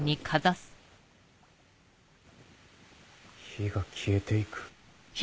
火が消えて行く。